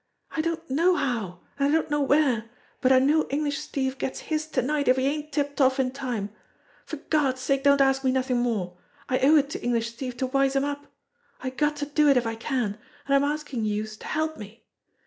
I don't know how, an' I don't know where, but I knows English Steve gets his to night if he ain't tipped off in time. For Gawd's sake don't ask me nothin' more. I owe it to English Steve to wise him up. I got to do it if I can, an' I'm askin' youse to help me.